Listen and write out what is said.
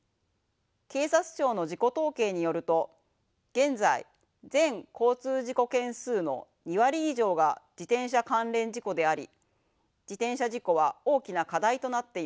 警察庁の事故統計によると現在全交通事故件数の２割以上が自転車関連事故であり自転車事故は大きな課題となっています。